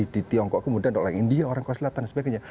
di tiongkok kemudian orang india orang korea selatan dan sebagainya